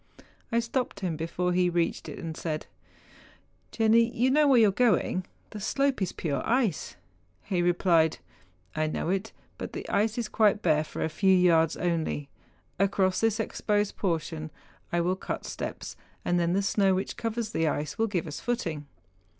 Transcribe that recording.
I stopped him before he reached it, and said, ' Jenni, you know where you are going, the slope is pure ice ?' He re¬ plied, ' I know it, but the ice is quite bare for a few yards only. Across this exposed portion I will cut steps, and then the snow which covers the ice will give us footing.